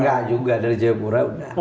nggak juga dari jakarta udah